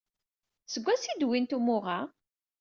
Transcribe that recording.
Seg wansi ay d-wwint umuɣ-a?